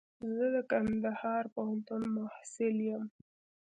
زه د کندهار پوهنتون محصل يم.